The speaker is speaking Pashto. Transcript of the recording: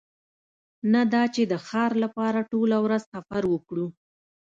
نه دا چې د ښار لپاره ټوله ورځ سفر وکړو